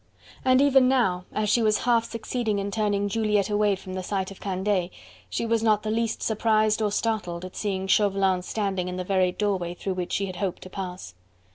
And even now, as she was half succeeding in turning Juliette away from the sight of Candeille, she was not the least surprised or startled at seeing Chauvelin standing in the very doorway through which she had hoped to pass.